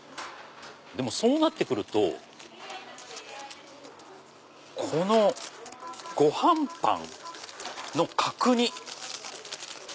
でもそうなって来るとこのごはんパンの角煮。